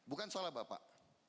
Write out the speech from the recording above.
bukan salah bapak